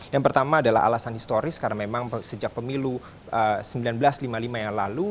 yang pertama adalah alasan historis karena memang sejak pemilu seribu sembilan ratus lima puluh lima yang lalu